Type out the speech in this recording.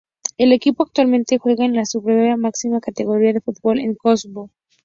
El equipo actualmente juega en la Superliga, máxima categoría de fútbol en Kosovo.